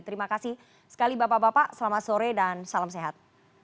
terima kasih sekali bapak bapak selamat sore dan salam sehat